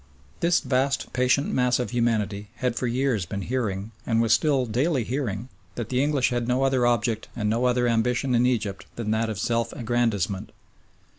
This vast, patient mass of humanity had for years been hearing, and was still daily hearing, that the English had no other object and no other ambition in Egypt than that of self aggrandisement.